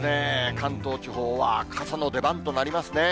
関東地方は傘の出番となりますね。